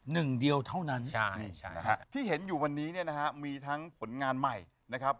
หนึ่งเดียวเท่านั้นที่เห็นอยู่วันนี้เนี่ยนะฮะมีทั้งผลงานใหม่นะครับ